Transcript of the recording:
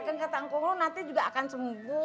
kan kata angkuh lo nanti juga akan sembuh